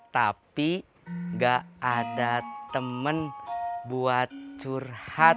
tapi gak ada temen buat curhat